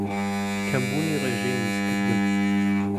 کەمبوونی رێژەی میزکردن